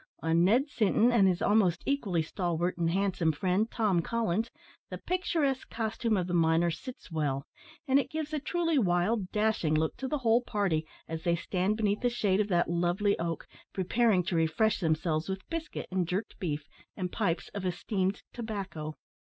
On Ned Sinton and his almost equally stalwart and handsome friend, Tom Collins, the picturesque costume of the miner sits well; and it gives a truly wild, dashing look to the whole party, as they stand beneath the shade of that lovely oak, preparing to refresh themselves with biscuit and jerked beef, and pipes of esteemed tobacco.